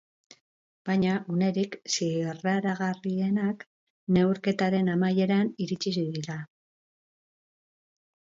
Baina unerik zirraragarrienak neurketaren amaieran iritsi dira.